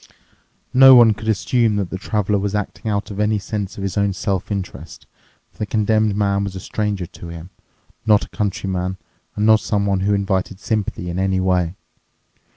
No one could assume that the Traveler was acting out of any sense of his own self interest, for the Condemned Man was a stranger to him, not a countryman and not someone who invited sympathy in any way.